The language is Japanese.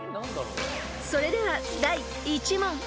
［それでは第１問］